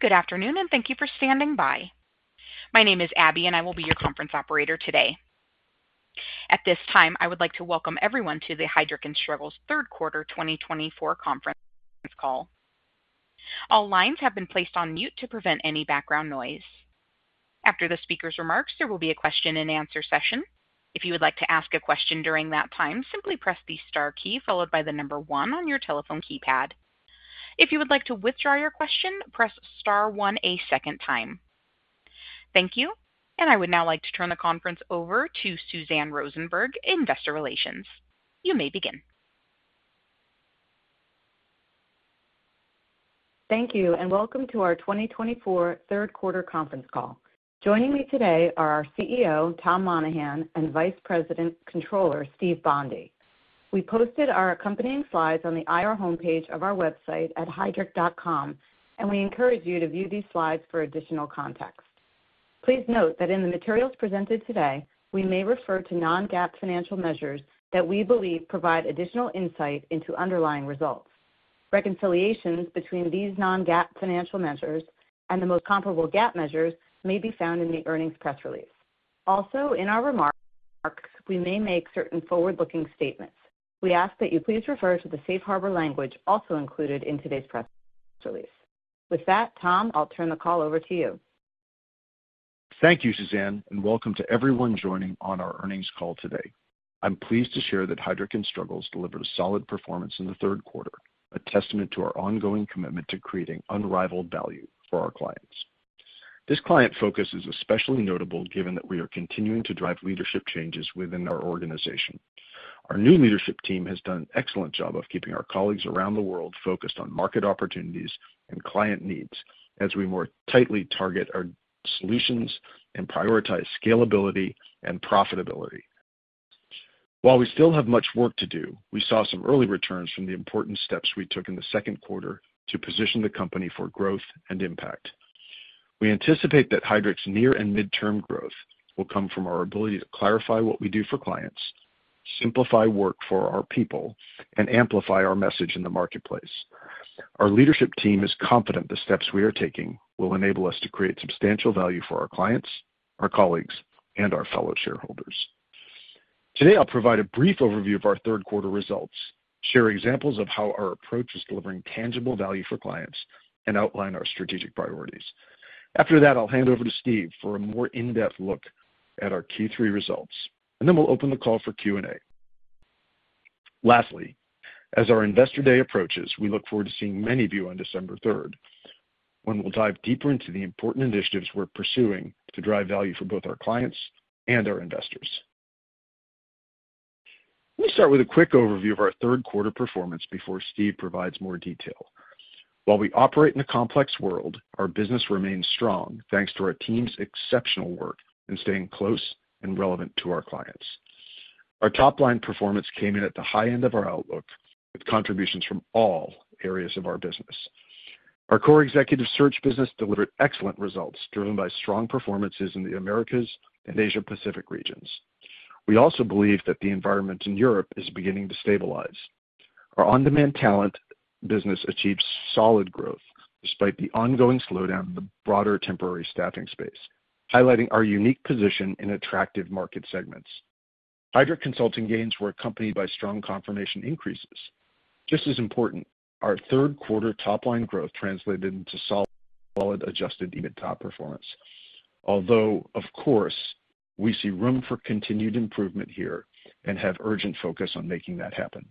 Good afternoon, and thank you for standing by. My name is Abby, and I will be your conference operator today. At this time, I would like to welcome everyone to the Heidrick & Struggles third quarter 2024 conference call. All lines have been placed on mute to prevent any background noise. After the speaker's remarks, there will be a question-and-answer session. If you would like to ask a question during that time, simply press the star key followed by the number one on your telephone keypad. If you would like to withdraw your question, press star one a second time. Thank you, and I would now like to turn the conference over to Suzanne Rosenberg in investor relations. You may begin. Thank you, and welcome to our 2024 third quarter conference call. Joining me today are our CEO, Tom Monahan, and Vice President and Controller, Steve Bondi. We posted our accompanying slides on the IR homepage of our website at heidrick.com, and we encourage you to view these slides for additional context. Please note that in the materials presented today, we may refer to non-GAAP financial measures that we believe provide additional insight into underlying results. Reconciliations between these non-GAAP financial measures and the most comparable GAAP measures may be found in the earnings press release. Also, in our remarks, we may make certain forward-looking statements. We ask that you please refer to the safe harbor language also included in today's press release. With that, Tom, I'll turn the call over to you. Thank you, Suzanne, and welcome to everyone joining on our earnings call today. I'm pleased to share that Heidrick & Struggles delivered a solid performance in the third quarter, a testament to our ongoing commitment to creating unrivaled value for our clients. This client focus is especially notable given that we are continuing to drive leadership changes within our organization. Our new leadership team has done an excellent job of keeping our colleagues around the world focused on market opportunities and client needs as we more tightly target our solutions and prioritize scalability and profitability. While we still have much work to do, we saw some early returns from the important steps we took in the second quarter to position the company for growth and impact. We anticipate that Heidrick's near and midterm growth will come from our ability to clarify what we do for clients, simplify work for our people, and amplify our message in the marketplace. Our leadership team is confident the steps we are taking will enable us to create substantial value for our clients, our colleagues, and our fellow shareholders. Today, I'll provide a brief overview of our third quarter results, share examples of how our approach is delivering tangible value for clients, and outline our strategic priorities. After that, I'll hand over to Steve for a more in-depth look at our Q3 results, and then we'll open the call for Q&A. Lastly, as our Investor Day approaches, we look forward to seeing many of you on December 3rd when we'll dive deeper into the important initiatives we're pursuing to drive value for both our clients and our investors. Let me start with a quick overview of our third quarter performance before Steve provides more detail. While we operate in a complex world, our business remains strong thanks to our team's exceptional work in staying close and relevant to our clients. Our top-line performance came in at the high end of our outlook with contributions from all areas of our business. Our core executive search business delivered excellent results driven by strong performances in the Americas and Asia-Pacific regions. We also believe that the environment in Europe is beginning to stabilize. Our On-Demand Talent business achieved solid growth despite the ongoing slowdown in the broader temporary staffing space, highlighting our unique position in attractive market segments. Heidrick Consulting gains were accompanied by strong confirmation increases. Just as important, our third quarter top-line growth translated into solid adjusted EBITDA performance, although, of course, we see room for continued improvement here and have urgent focus on making that happen.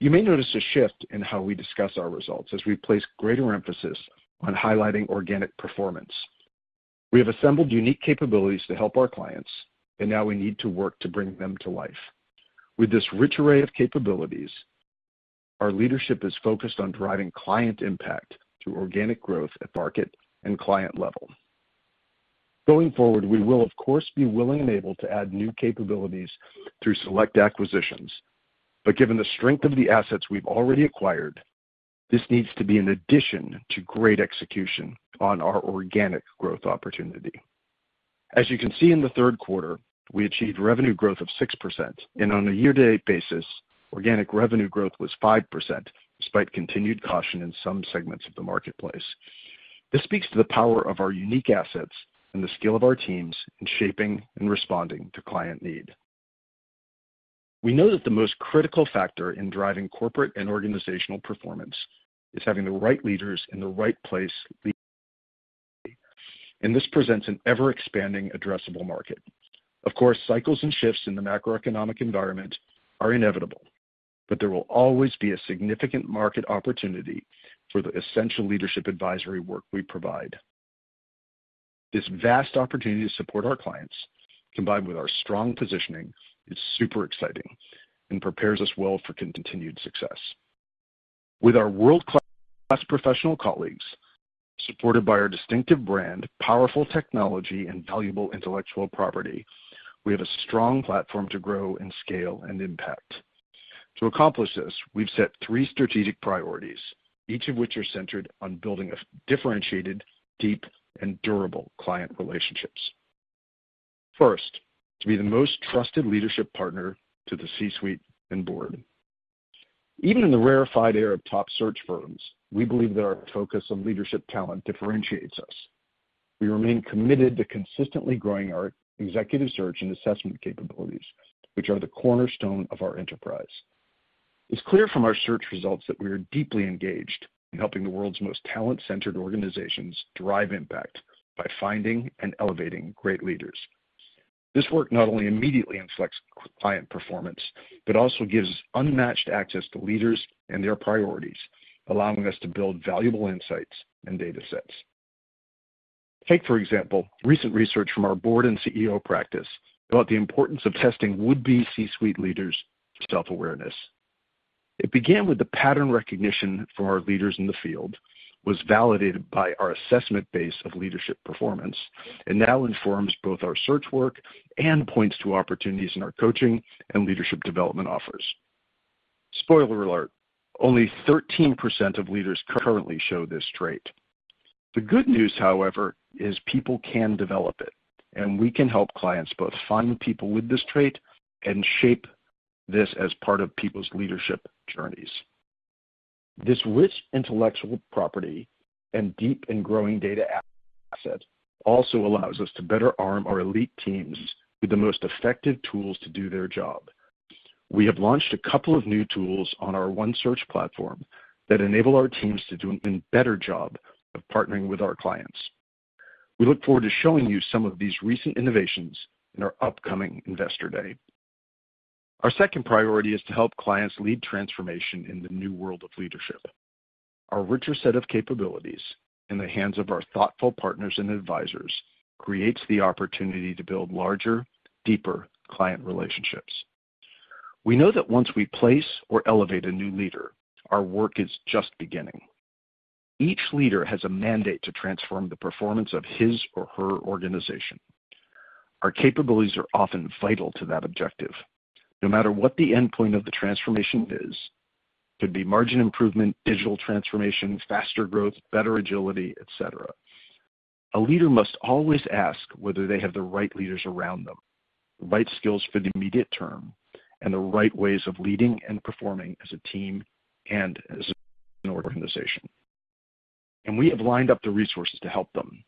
You may notice a shift in how we discuss our results as we place greater emphasis on highlighting organic performance. We have assembled unique capabilities to help our clients, and now we need to work to bring them to life. With this rich array of capabilities, our leadership is focused on driving client impact through organic growth at the market and client level. Going forward, we will, of course, be willing and able to add new capabilities through select acquisitions, but given the strength of the assets we've already acquired, this needs to be in addition to great execution on our organic growth opportunity. As you can see in the third quarter, we achieved revenue growth of 6%, and on a year-to-date basis, organic revenue growth was 5% despite continued caution in some segments of the marketplace. This speaks to the power of our unique assets and the skill of our teams in shaping and responding to client need. We know that the most critical factor in driving corporate and organizational performance is having the right leaders in the right place, and this presents an ever-expanding, addressable market. Of course, cycles and shifts in the macroeconomic environment are inevitable, but there will always be a significant market opportunity for the essential leadership advisory work we provide. This vast opportunity to support our clients, combined with our strong positioning, is super exciting and prepares us well for continued success. With our world-class professional colleagues, supported by our distinctive brand, powerful technology, and valuable intellectual property, we have a strong platform to grow and scale and impact. To accomplish this, we've set three strategic priorities, each of which are centered on building differentiated, deep, and durable client relationships. First, to be the most trusted leadership partner to the C-suite and board. Even in the rarefied era of top search firms, we believe that our focus on leadership talent differentiates us. We remain committed to consistently growing our executive search and assessment capabilities, which are the cornerstone of our enterprise. It's clear from our search results that we are deeply engaged in helping the world's most talent-centered organizations drive impact by finding and elevating great leaders. This work not only immediately inflects client performance but also gives us unmatched access to leaders and their priorities, allowing us to build valuable insights and data sets. Take, for example, recent research from our Board and CEO practice about the importance of testing would-be C-suite leaders for self-awareness. It began with the pattern recognition from our leaders in the field, was validated by our assessment base of leadership performance, and now informs both our search work and points to opportunities in our coaching and leadership development offers. Spoiler alert: only 13% of leaders currently show this trait. The good news, however, is people can develop it, and we can help clients both find people with this trait and shape this as part of people's leadership journeys. This rich intellectual property and deep and growing data asset also allows us to better arm our elite teams with the most effective tools to do their job. We have launched a couple of new tools on our OneSearch platform that enable our teams to do an even better job of partnering with our clients. We look forward to showing you some of these recent innovations in our upcoming investor day. Our second priority is to help clients lead transformation in the new world of leadership. Our richer set of capabilities in the hands of our thoughtful partners and advisors creates the opportunity to build larger, deeper client relationships. We know that once we place or elevate a new leader, our work is just beginning. Each leader has a mandate to transform the performance of his or her organization. Our capabilities are often vital to that objective. No matter what the endpoint of the transformation is, it could be margin improvement, digital transformation, faster growth, better agility, etc. A leader must always ask whether they have the right leaders around them, the right skills for the immediate term, and the right ways of leading and performing as a team and as an organization. And we have lined up the resources to help them,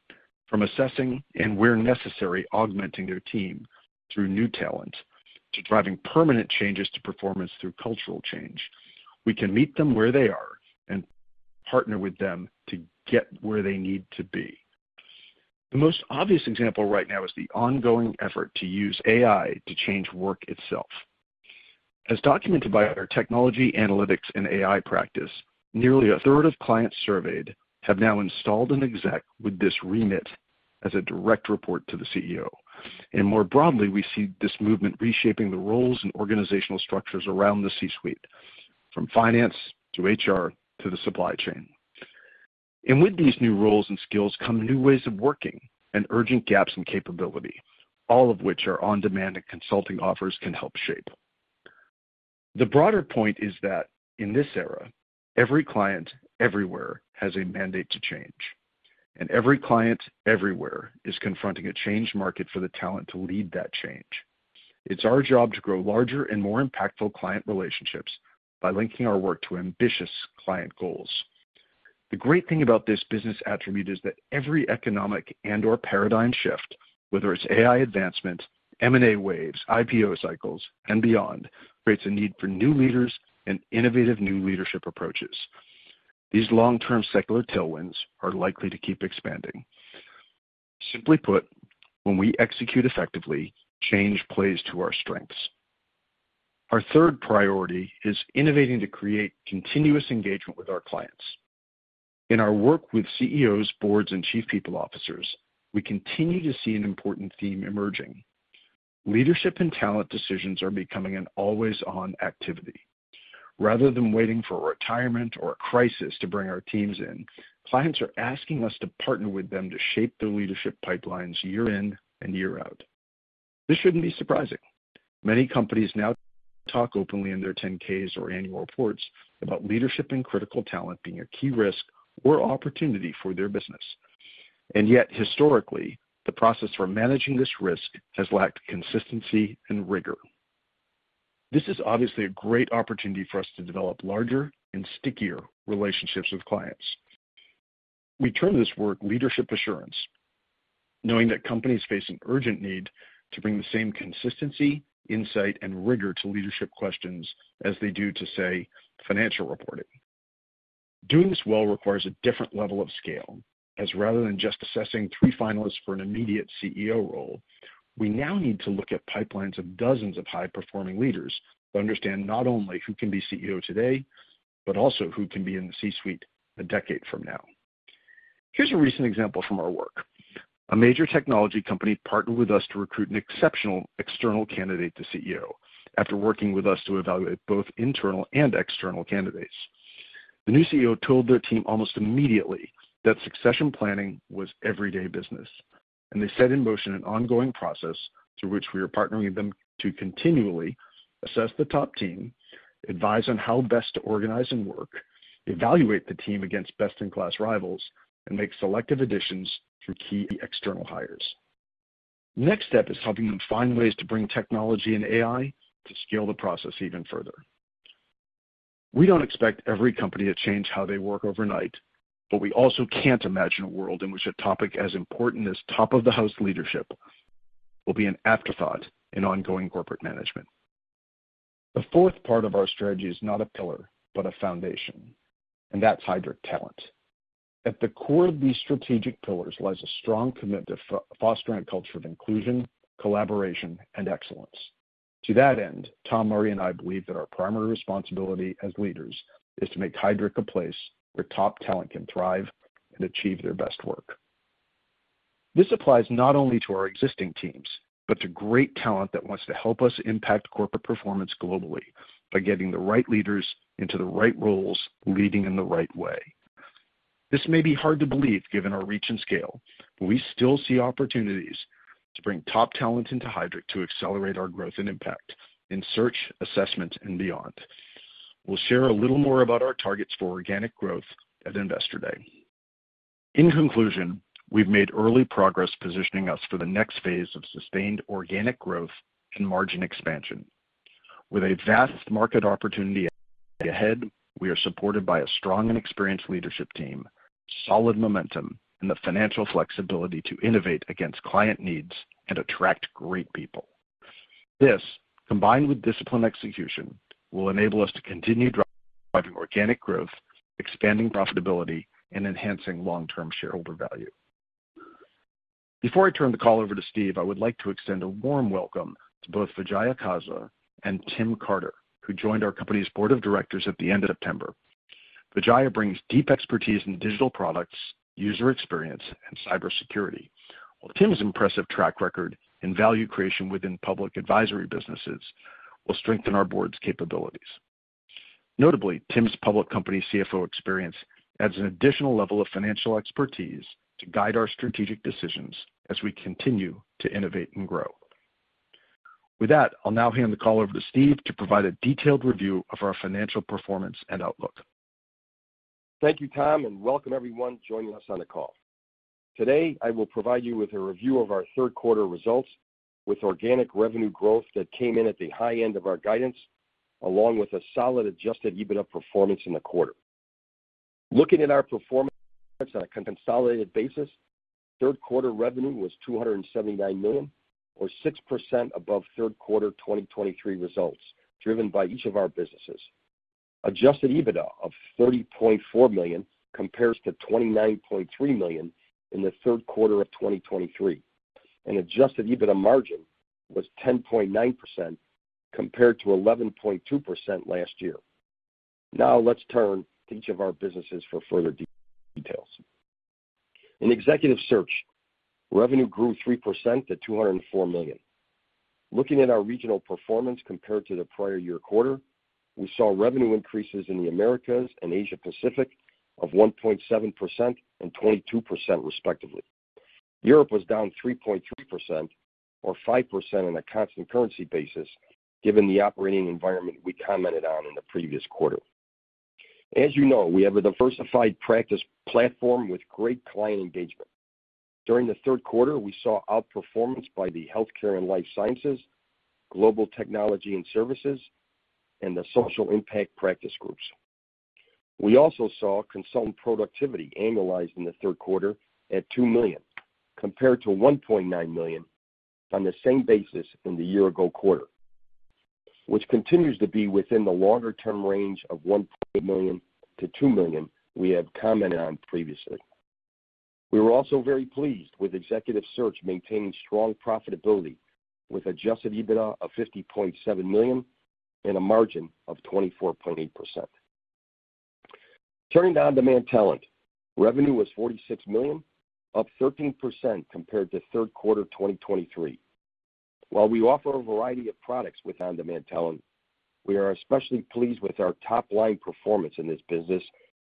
from assessing and, where necessary, augmenting their team through new talent to driving permanent changes to performance through cultural change. We can meet them where they are and partner with them to get where they need to be. The most obvious example right now is the ongoing effort to use AI to change work itself. As documented by our Technology, Analytics, and AI practice, nearly a third of clients surveyed have now installed an exec with this remit as a direct report to the CEO, and more broadly, we see this movement reshaping the roles and organizational structures around the C-suite, from finance to HR to the supply chain, and with these new roles and skills come new ways of working and urgent gaps in capability, all of which our on-demand and consulting offers can help shape. The broader point is that in this era, every client everywhere has a mandate to change, and every client everywhere is confronting a changed market for the talent to lead that change. It's our job to grow larger and more impactful client relationships by linking our work to ambitious client goals. The great thing about this business attribute is that every economic and/or paradigm shift, whether it's AI advancement, M&A waves, IPO cycles, and beyond, creates a need for new leaders and innovative new leadership approaches. These long-term secular tailwinds are likely to keep expanding. Simply put, when we execute effectively, change plays to our strengths. Our third priority is innovating to create continuous engagement with our clients. In our work with CEOs, boards, and chief people officers, we continue to see an important theme emerging. Leadership and talent decisions are becoming an always-on activity. Rather than waiting for a retirement or a crisis to bring our teams in, clients are asking us to partner with them to shape their leadership pipelines year in and year out. This shouldn't be surprising. Many companies now talk openly in their 10-Ks or annual reports about leadership and critical talent being a key risk or opportunity for their business. And yet, historically, the process for managing this risk has lacked consistency and rigor. This is obviously a great opportunity for us to develop larger and stickier relationships with clients. We term this work leadership assurance, knowing that companies face an urgent need to bring the same consistency, insight, and rigor to leadership questions as they do to, say, financial reporting. Doing this well requires a different level of scale, as rather than just assessing three finalists for an immediate CEO role, we now need to look at pipelines of dozens of high-performing leaders to understand not only who can be CEO today but also who can be in the C-suite a decade from now. Here's a recent example from our work. A major technology company partnered with us to recruit an exceptional external candidate to CEO after working with us to evaluate both internal and external candidates. The new CEO told their team almost immediately that succession planning was everyday business, and they set in motion an ongoing process through which we are partnering with them to continually assess the top team, advise on how best to organize and work, evaluate the team against best-in-class rivals, and make selective additions through key external hires. The next step is helping them find ways to bring technology and AI to scale the process even further. We don't expect every company to change how they work overnight, but we also can't imagine a world in which a topic as important as top-of-the-house leadership will be an afterthought in ongoing corporate management. The fourth part of our strategy is not a pillar but a foundation, and that's Heidrick Talent. At the core of these strategic pillars lies a strong commitment to fostering a culture of inclusion, collaboration, and excellence. To that end, Tom, and I believe that our primary responsibility as leaders is to make Heidrick a place where top talent can thrive and achieve their best work. This applies not only to our existing teams but to great talent that wants to help us impact corporate performance globally by getting the right leaders into the right roles, leading in the right way. This may be hard to believe given our reach and scale, but we still see opportunities to bring top talent into Heidrick to accelerate our growth and impact in search, assessment, and beyond. We'll share a little more about our targets for organic growth at Investor Day. In conclusion, we've made early progress positioning us for the next phase of sustained organic growth and margin expansion. With a vast market opportunity ahead, we are supported by a strong and experienced leadership team, solid momentum, and the financial flexibility to innovate against client needs and attract great people. This, combined with disciplined execution, will enable us to continue driving organic growth, expanding profitability, and enhancing long-term shareholder value. Before I turn the call over to Steve, I would like to extend a warm welcome to both Vijaya Kaza and Tim Carter, who joined our company's board of directors at the end of September. Vijaya brings deep expertise in digital products, user experience, and cybersecurity, while Tim's impressive track record in value creation within public advisory businesses will strengthen our board's capabilities. Notably, Tim's public company CFO experience adds an additional level of financial expertise to guide our strategic decisions as we continue to innovate and grow. With that, I'll now hand the call over to Steve to provide a detailed review of our financial performance and outlook. Thank you, Tom, and welcome everyone joining us on the call. Today, I will provide you with a review of our third-quarter results with organic revenue growth that came in at the high end of our guidance, along with a solid adjusted EBITDA performance in the quarter. Looking at our performance on a consolidated basis, third-quarter revenue was $279 million, or 6% above third-quarter 2023 results, driven by each of our businesses. Adjusted EBITDA of $30.4 million compares to $29.3 million in the third quarter of 2023, and adjusted EBITDA margin was 10.9% compared to 11.2% last year. Now, let's turn to each of our businesses for further details. In executive search, revenue grew 3% to $204 million. Looking at our regional performance compared to the prior year quarter, we saw revenue increases in the Americas and Asia-Pacific of 1.7% and 22%, respectively. Europe was down 3.3%, or 5% on a constant currency basis, given the operating environment we commented on in the previous quarter. As you know, we have a diversified practice platform with great client engagement. During the third quarter, we saw outperformance by the Healthcare and Life Sciences, Global Technology and Services, and the Social Impact practice groups. We also saw consultant productivity annualized in the third quarter at $2 million compared to $1.9 million on the same basis in the year-ago quarter, which continues to be within the longer-term range of $1.8 million to $2 million we have commented on previously. We were also very pleased with Executive Search maintaining strong profitability with Adjusted EBITDA of $50.7 million and a margin of 24.8%. Turning to On-Demand Talent, revenue was $46 million, up 13% compared to third quarter 2023. While we offer a variety of products with On-Demand Talent, we are especially pleased with our top-line performance in this business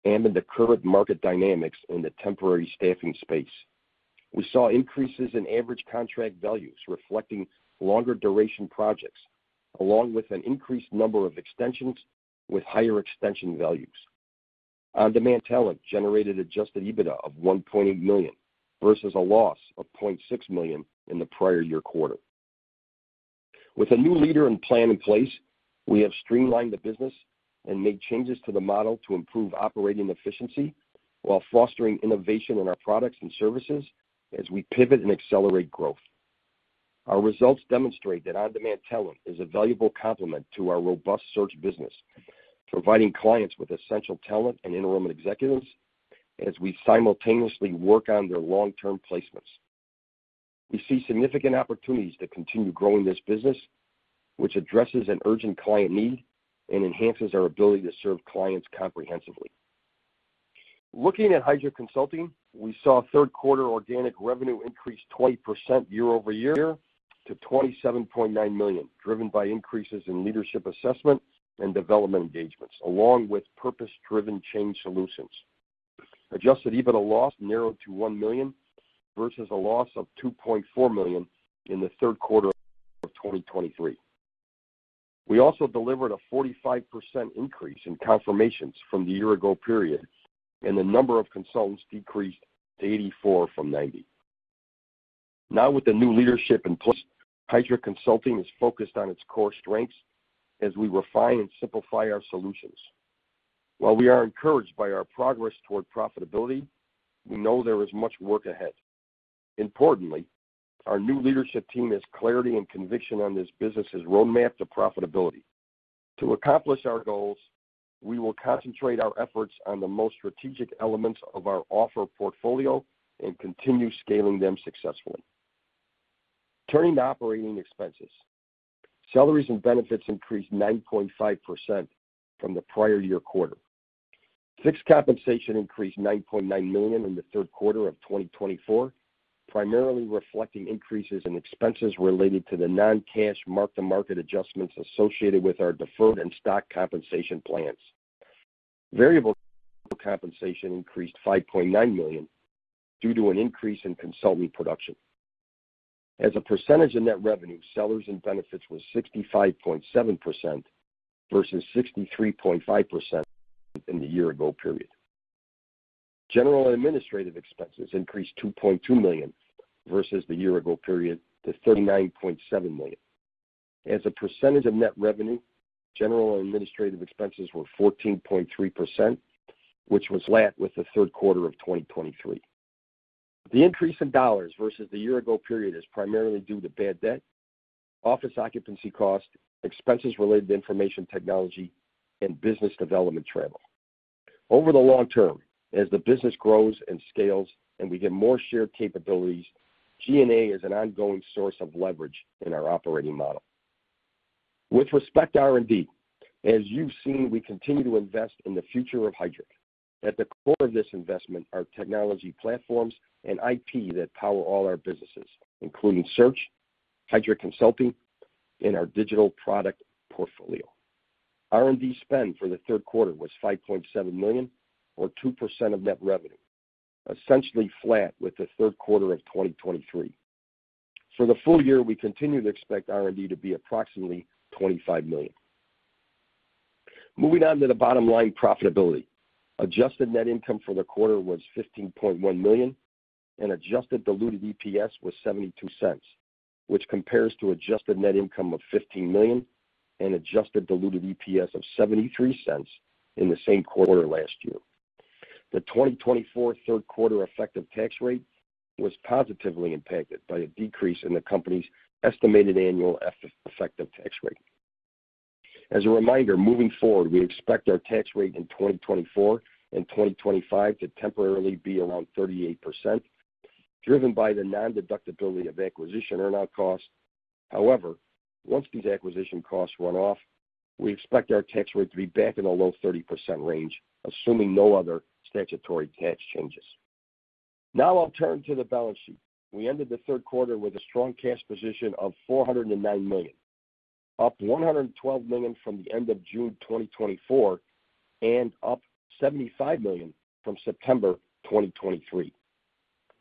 and in the current market dynamics in the temporary staffing space. We saw increases in average contract values reflecting longer-duration projects, along with an increased number of extensions with higher extension values. On-Demand Talent generated Adjusted EBITDA of $1.8 million versus a loss of $0.6 million in the prior year quarter. With a new leader and plan in place, we have streamlined the business and made changes to the model to improve operating efficiency while fostering innovation in our products and services as we pivot and accelerate growth. Our results demonstrate that on-demand talent is a valuable complement to our robust search business, providing clients with essential talent and interim executives as we simultaneously work on their long-term placements. We see significant opportunities to continue growing this business, which addresses an urgent client need and enhances our ability to serve clients comprehensively. Looking at Heidrick Consulting, we saw third-quarter organic revenue increase 20% year-over-year to $27.9 million, driven by increases in leadership assessment and development engagements, along with purpose-driven change solutions. Adjusted EBITDA loss narrowed to $1 million versus a loss of $2.4 million in the third quarter of 2023. We also delivered a 45% increase in confirmations from the year-ago period, and the number of consultants decreased to 84 from 90. Now, with the new leadership in place, Heidrick Consulting is focused on its core strengths as we refine and simplify our solutions. While we are encouraged by our progress toward profitability, we know there is much work ahead. Importantly, our new leadership team has clarity and conviction on this business's roadmap to profitability. To accomplish our goals, we will concentrate our efforts on the most strategic elements of our offer portfolio and continue scaling them successfully. Turning to operating expenses, salaries and benefits increased 9.5% from the prior year quarter. Fixed compensation increased $9.9 million in the third quarter of 2024, primarily reflecting increases in expenses related to the non-cash mark-to-market adjustments associated with our deferred and stock compensation plans. Variable compensation increased $5.9 million due to an increase in consultant production. As a percentage of net revenue, salaries and benefits were 65.7% versus 63.5% in the year-ago period. General and administrative expenses increased $2.2 million versus the year-ago period to $39.7 million. As a percentage of net revenue, general and administrative expenses were 14.3%, which was flat with the third quarter of 2023. The increase in dollars versus the year-ago period is primarily due to bad debt, office occupancy costs, expenses related to information technology, and business development travel. Over the long term, as the business grows and scales and we get more shared capabilities, G&A is an ongoing source of leverage in our operating model. With respect to R&D, as you've seen, we continue to invest in the future of Heidrick. At the core of this investment are technology platforms and IP that power all our businesses, including search, Heidrick Consulting, and our digital product portfolio. R&D spend for the third quarter was $5.7 million, or 2% of net revenue, essentially flat with the third quarter of 2023. For the full year, we continue to expect R&D to be approximately $25 million. Moving on to the bottom line, profitability. Adjusted net income for the quarter was $15.1 million, and adjusted diluted EPS was $0.72, which compares to adjusted net income of $15 million and adjusted diluted EPS of $0.73 in the same quarter last year. The 2024 third quarter effective tax rate was positively impacted by a decrease in the company's estimated annual effective tax rate. As a reminder, moving forward, we expect our tax rate in 2024 and 2025 to temporarily be around 38%, driven by the non-deductibility of acquisition earnout costs. However, once these acquisition costs run off, we expect our tax rate to be back in the low 30% range, assuming no other statutory tax changes. Now, I'll turn to the balance sheet. We ended the third quarter with a strong cash position of $409 million, up $112 million from the end of June 2024 and up $75 million from September 2023.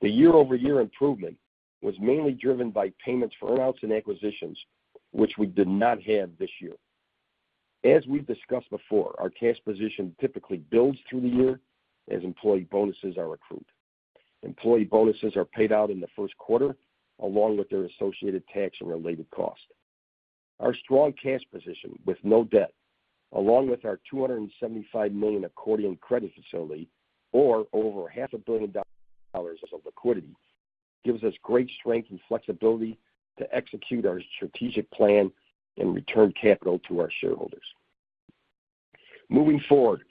The year-over-year improvement was mainly driven by payments for earnouts and acquisitions, which we did not have this year. As we've discussed before, our cash position typically builds through the year as employee bonuses are accrued. Employee bonuses are paid out in the first quarter, along with their associated tax and related costs. Our strong cash position with no debt, along with our $275 million accordion credit facility or over half a billion dollars of liquidity, gives us great strength and flexibility to execute our strategic plan and return capital to our shareholders. Moving forward,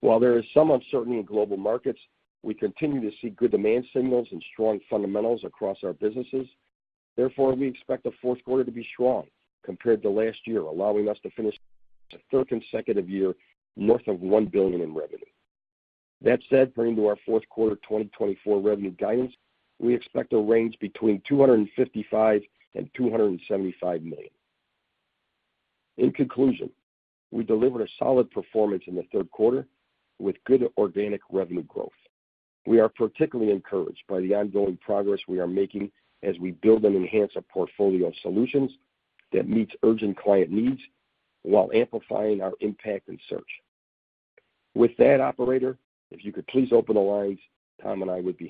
while there is some uncertainty in global markets, we continue to see good demand signals and strong fundamentals across our businesses. Therefore, we expect the fourth quarter to be strong compared to last year, allowing us to finish a third consecutive year north of $1 billion in revenue. That said, turning to our fourth quarter 2024 revenue guidance, we expect a range between $255 million and $275 million. In conclusion, we delivered a solid performance in the third quarter with good organic revenue growth. We are particularly encouraged by the ongoing progress we are making as we build and enhance a portfolio of solutions that meets urgent client needs while amplifying our impact in search. With that, Operator, if you could please open the lines, Tom and I would be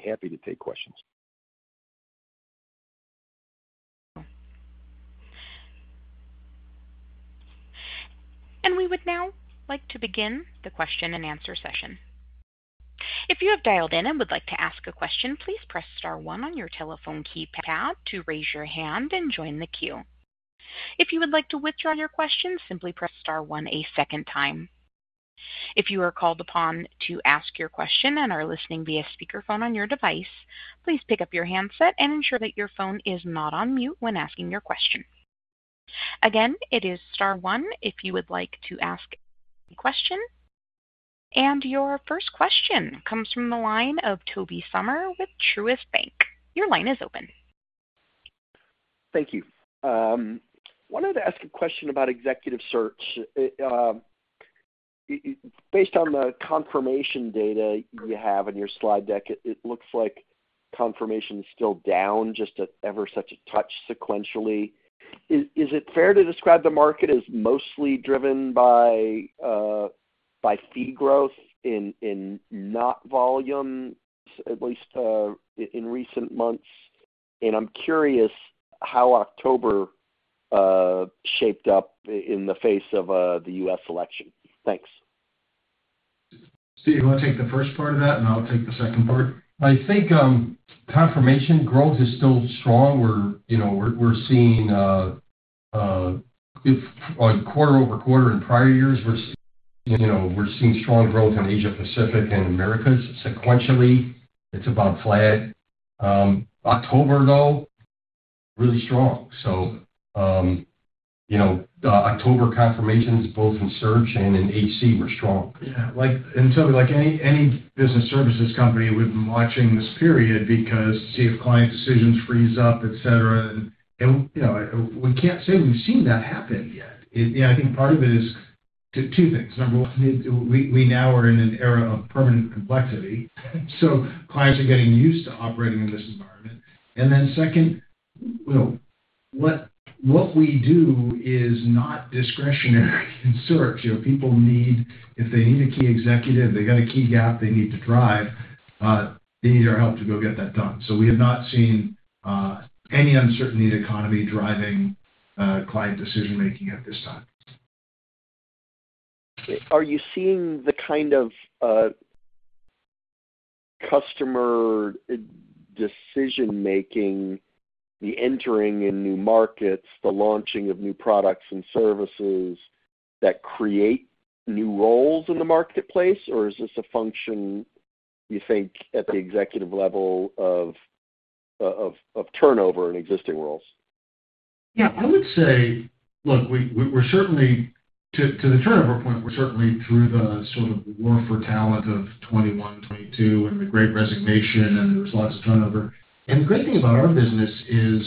happy to take questions, and we would now like to begin the question and answer session. If you have dialed in and would like to ask a question, please press star one on your telephone keypad to raise your hand and join the queue. If you would like to withdraw your question, simply press star one a second time. If you are called upon to ask your question and are listening via speakerphone on your device, please pick up your handset and ensure that your phone is not on mute when asking your question. Again, it is star one if you would like to ask a question. And your first question comes from the line of Tobey Sommer with Truist Bank. Your line is open. Thank you. I wanted to ask a question about executive search. Based on the confirmation data you have in your slide deck, it looks like confirmation is still down, just a touch, ever so slightly sequentially. Is it fair to describe the market as mostly driven by fee growth and not volume, at least in recent months, and I'm curious how October shaped up in the face of the U.S. election. Thanks. Steve, you want to take the first part of that, and I'll take the second part? I think confirmation growth is still strong. We're seeing quarter over quarter in prior years. We're seeing strong growth in Asia-Pacific and Americas sequentially. It's about flat. October, though, really strong. So October confirmations, both in search and in HC, were strong. Yeah, and tell me, like any business services company, we've been watching this period because you see if client decisions freeze up, etc., and we can't say we've seen that happen yet. I think part of it is two things. Number one, we now are in an era of permanent complexity. So clients are getting used to operating in this environment. And then second, what we do is not discretionary in search. If they need a key executive, they've got a key gap they need to drive, they need our help to go get that done. So we have not seen any uncertainty in the economy driving client decision-making at this time. Are you seeing the kind of customer decision-making, the entering in new markets, the launching of new products and services that create new roles in the marketplace, or is this a function, you think, at the executive level of turnover in existing roles? Yeah. I would say, look, to the turnover point, we're certainly through the sort of war for talent of 2021, 2022, and the great resignation, and there was lots of turnover. The great thing about our business is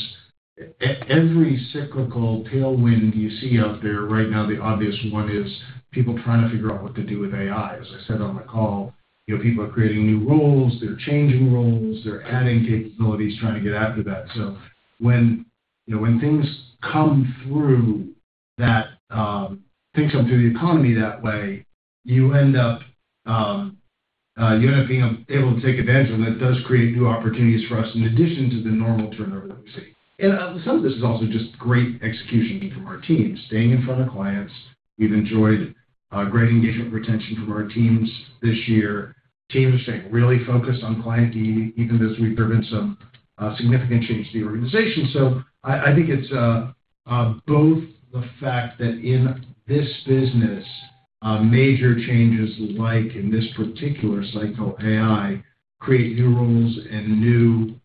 every cyclical tailwind you see out there right now, the obvious one is people trying to figure out what to do with AI. As I said on the call, people are creating new roles. They're changing roles. They're adding capabilities, trying to get after that. So when things come through that, things come through the economy that way, you end up being able to take advantage, and that does create new opportunities for us in addition to the normal turnover that we see. And some of this is also just great execution from our teams, staying in front of clients. We've enjoyed great engagement retention from our teams this year. Teams are staying really focused on client need, even as we've driven some significant change to the organization. So, I think it's both the fact that in this business, major changes like in this particular cycle, AI create new roles and new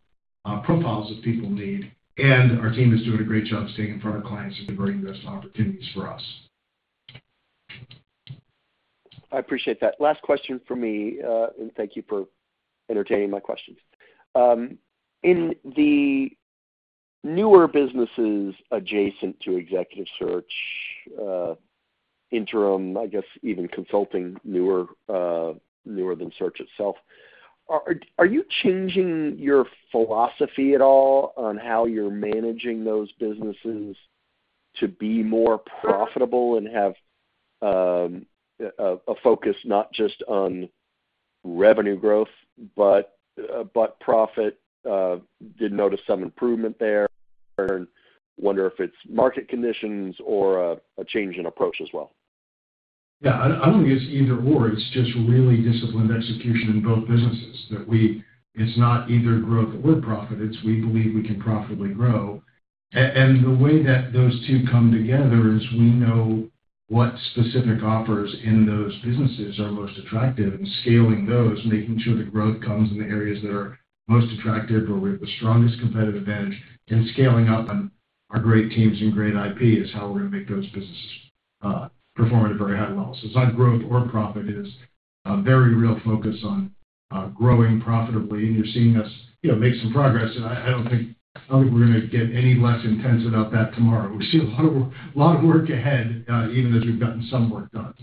profiles that people need. And our team is doing a great job staying in front of clients and converting those opportunities for us. I appreciate that. Last question for me, and thank you for entertaining my questions. In the newer businesses adjacent to executive search, interim, I guess even consulting, newer than search itself, are you changing your philosophy at all on how you're managing those businesses to be more profitable and have a focus not just on revenue growth, but profit? I didn't notice some improvement there. And I wonder if it's market conditions or a change in approach as well. Yeah. I don't guess either/or. It's just really disciplined execution in both businesses that it's not either growth or profit. It's we believe we can profitably grow. And the way that those two come together is we know what specific offers in those businesses are most attractive and scaling those, making sure the growth comes in the areas that are most attractive where we have the strongest competitive advantage and scaling up on our great teams and great IP is how we're going to make those businesses perform at a very high level. So it's not growth or profit. It is a very real focus on growing profitably, and you're seeing us make some progress. And I don't think we're going to get any less intense about that tomorrow. We see a lot of work ahead, even as we've gotten some work done.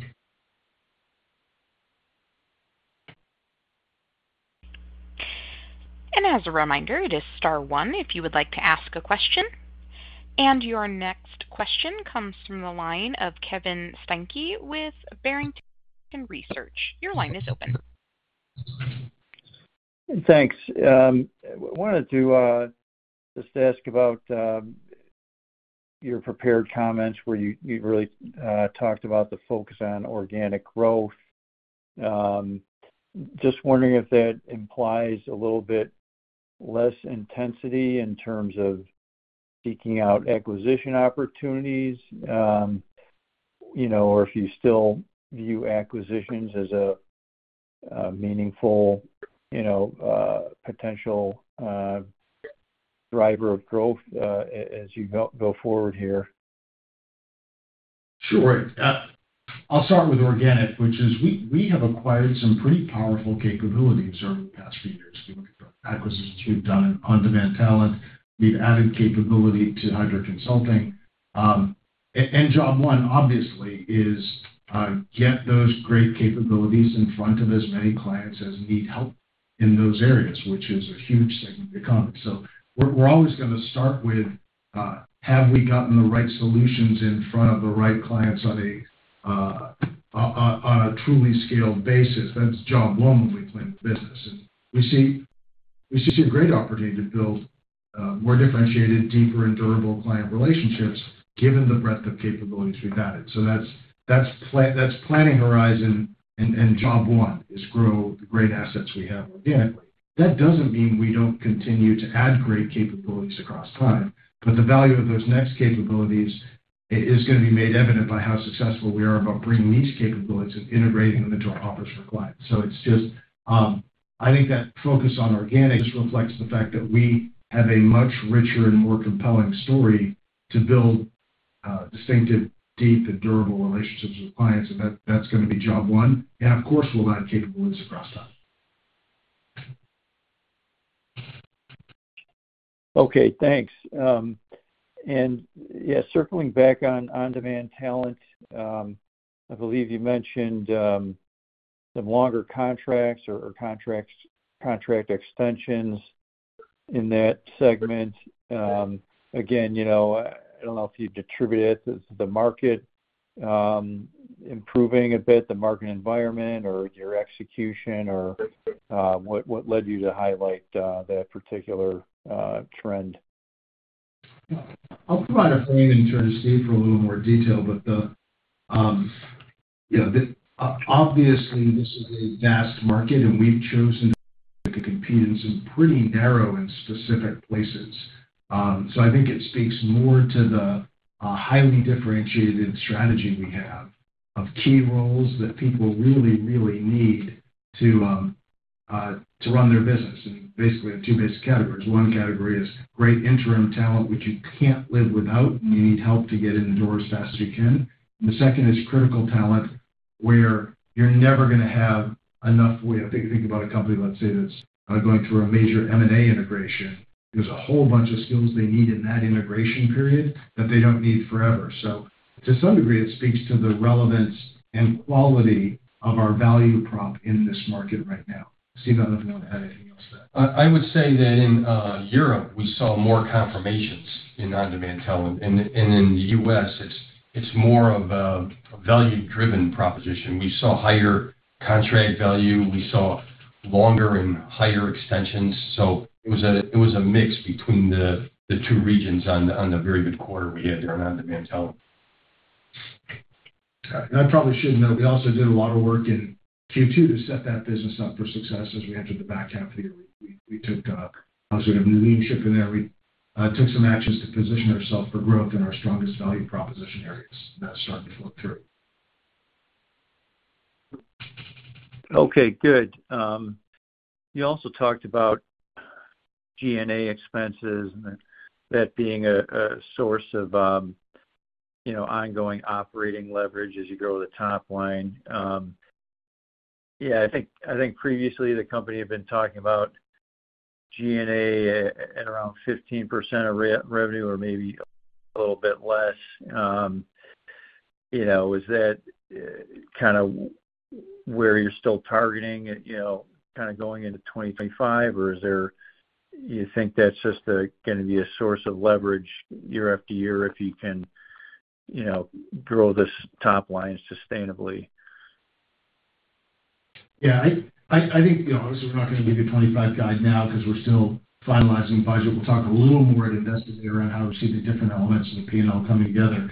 And as a reminder, it is star one if you would like to ask a question. And your next question comes from the line of Kevin Steinke with Barrington Research. Your line is open. Thanks. I wanted to just ask about your prepared comments where you really talked about the focus on organic growth. Just wondering if that implies a little bit less intensity in terms of seeking out acquisition opportunities or if you still view acquisitions as a meaningful potential driver of growth as you go forward here. Sure. I'll start with organic, which is we have acquired some pretty powerful capabilities over the past few years. We look at acquisitions we've done On-Demand Talent. We've added capability to Heidrick Consulting. And job one, obviously, is get those great capabilities in front of as many clients as need help in those areas, which is a huge segment of the economy. So we're always going to start with, have we gotten the right solutions in front of the right clients on a truly scaled basis? That's job one when we plan the business. And we see a great opportunity to build more differentiated, deeper, and durable client relationships given the breadth of capabilities we've added. So that's planning horizon, and job one is grow the great assets we have organically. That doesn't mean we don't continue to add great capabilities across time, but the value of those next capabilities is going to be made evident by how successful we are about bringing these capabilities and integrating them into our offers for clients. So it's just I think that focus on organic just reflects the fact that we have a much richer and more compelling story to build distinctive, deep, and durable relationships with clients. And that's going to be job one. And of course, we'll add capabilities across time. Okay. Thanks. And yeah, circling back on on-demand talent, I believe you mentioned some longer contracts or contract extensions in that segment. Again, I don't know if you'd attribute it to the market improving a bit, the market environment, or your execution, or what led you to highlight that particular trend? I'll provide a frame in terms of for a little more detail, but obviously, this is a vast market, and we've chosen to compete in some pretty narrow and specific places. So I think it speaks more to the highly differentiated strategy we have of key roles that people really, really need to run their business. And basically, there are two basic categories. One category is great interim talent, which you can't live without, and you need help to get indoors as fast as you can. And the second is critical talent where you're never going to have enough. If you think about a company, let's say, that's going through a major M&A integration, there's a whole bunch of skills they need in that integration period that they don't need forever. So to some degree, it speaks to the relevance and quality of our value prop in this market right now. Steve, I don't know if you want to add anything else to that. I would say that in Europe, we saw more confirmations in on-demand talent. And in the U.S., it's more of a value-driven proposition. We saw higher contract value. We saw longer and higher extensions. So it was a mix between the two regions on the very good quarter we had during on-demand talent. And I probably should know. We also did a lot of work in Q2 to set that business up for success as we entered the back half of the year. We took a sort of new leadership in there. We took some actions to position ourselves for growth in our strongest value proposition areas. That started to work through. Okay. Good. You also talked about G&A expenses and that being a source of ongoing operating leverage as you grow the top line. Yeah. I think previously, the company had been talking about G&A at around 15% of revenue or maybe a little bit less. Is that kind of where you're still targeting, kind of going into 2025, or do you think that's just going to be a source of leverage year after year if you can grow this top line sustainably? Yeah.I think, obviously, we're not going to give you a 2025 guide now because we're still finalizing budget. We'll talk a little more at Investor Day around how we see the different elements of the P&L coming together.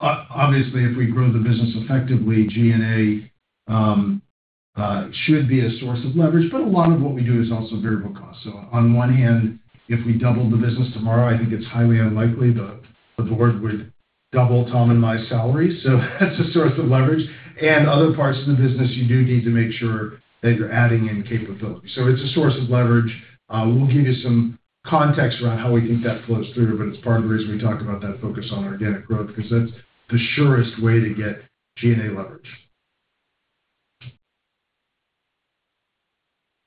Obviously, if we grow the business effectively, G&A should be a source of leverage. A lot of what we do is also variable costs. On one hand, if we doubled the business tomorrow, I think it's highly unlikely the board would double Tom and my salaries. That's a source of leverage. In other parts of the business, you do need to make sure that you're adding in capability. It's a source of leverage. We'll give you some context around how we think that flows through, but it's part of the reason we talked about that focus on organic growth because that's the surest way to get G&A leverage.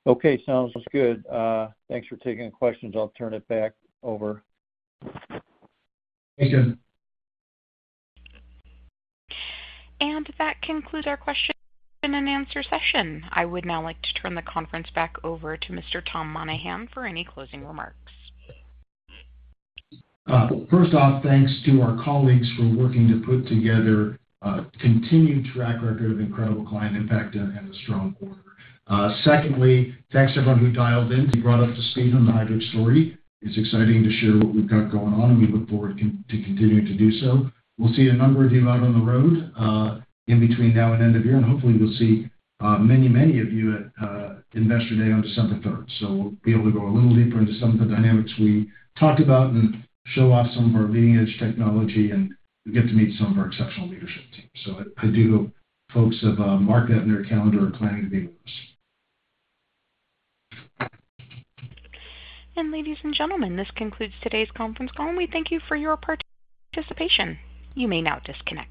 Okay. Sounds good. Thanks for taking the questions. I'll turn it back over. Thanks, guys. And that concludes our question and answer session. I would now like to turn the conference back over to Mr. Tom Monahan for any closing remarks. First off, thanks to our colleagues for working to put together a continued track record of incredible client impact and a strong quarter. Secondly, thanks to everyone who dialed in. You brought up the speed on the Heidrick story. It's exciting to share what we've got going on, and we look forward to continuing to do so. We'll see a number of you out on the road in between now and end of year. And hopefully, we'll see many, many of you at Investor Day on December 3rd.So we'll be able to go a little deeper into some of the dynamics we talked about and show off some of our leading-edge technology, and you'll get to meet some of our exceptional leadership teams. So I do hope folks have marked that in their calendar or planning to be with us. And ladies and gentlemen, this concludes today's conference call, and we thank you for your participation. You may now disconnect.